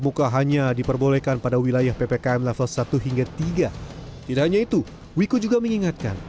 buka hanya diperbolehkan pada wilayah ppkm level satu hingga tiga tidak hanya itu wiku juga mengingatkan